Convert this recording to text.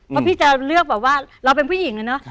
เพราะพี่จะเลือกแบบว่าเราเป็นผู้หญิงเลยเนอะ